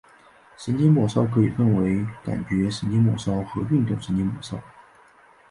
神经末梢可以分为感觉神经末梢和运动神经末梢。